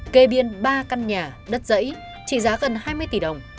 kê biên ba căn nhà đất dãy trị giá gần hai mươi tỷ đồng